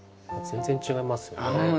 全然違いますよね。